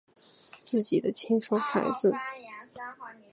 自己的亲生孩子